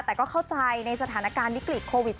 แต่ก็เข้าใจในสถานการณ์วิกฤตโควิด๑๙